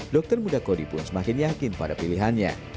dokter muda kodi pun semakin yakin pada pilihannya